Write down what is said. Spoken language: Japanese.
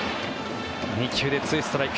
２球で２ストライク。